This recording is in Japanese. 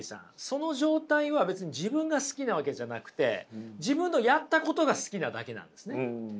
その状態は別に自分が好きなわけじゃなくて自分のやったことが好きなだけなんですね。